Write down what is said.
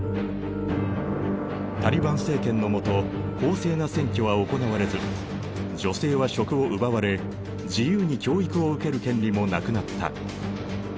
タリバン政権の下公正な選挙は行われず女性は職を奪われ自由に教育を受ける権利もなくなった。